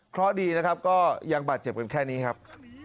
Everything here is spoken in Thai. เพราะดีนะครับก็ยังบาดเจ็บกันแค่นี้ครับ